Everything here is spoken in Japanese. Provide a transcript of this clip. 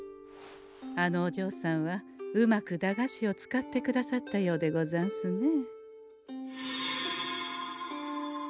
あのおじょうさんはうまく駄菓子を使ってくださったようでござんすね。